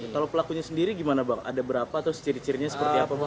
kalau pelakunya sendiri gimana bang ada berapa atau ciri cirinya seperti apa